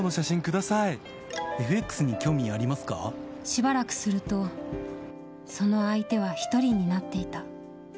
しばらくするとその相手は１人になっていた。